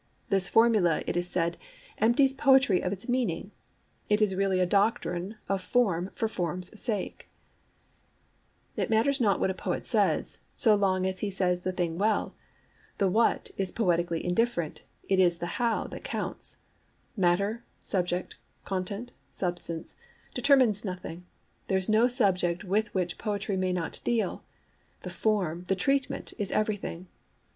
This formula, it is said, empties poetry of its[Pg 11] meaning: it is really a doctrine of form for form's sake. WHERE DOES IT LIE? 'It matters not what a poet says, so long as he says the thing well. The what is poetically indifferent: it is the how that counts. Matter, subject, content, substance, determines nothing; there is no subject with which poetry may not deal: the form, the treatment, is everything.